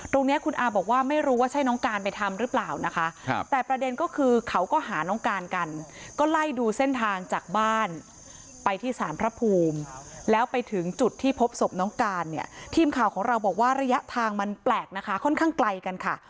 ตรงนี้คุณอาบอกว่าไม่รู้ว่าใช่น้องการไปทำหรือเปล่านะคะแต่ประเด็นก็คือเขาก็หาน้องการกันก็ไล่ดูเส้นทางจากบ้านไปที่สารพระภูมิแล้วไปถึงจุดที่พบศพน้องการเนี่ยทีมข่าวของเราบอกว่าระยะทางมันแปลกนะคะค่อนข้างไกลกันค่ะ